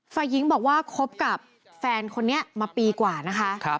ฝ่ายหญิงบอกว่าคบกับแฟนคนนี้มาปีกว่านะคะ